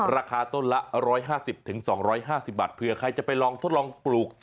ราคาต้นละ๑๕๐๒๕๐บาทเผื่อใครจะไปลองทดลองปลูก